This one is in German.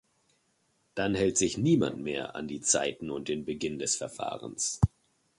Dann hält sich niemand mehr an die Zeiten und den Beginn des Verfahrens.